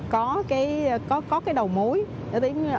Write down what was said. có cái đầu mối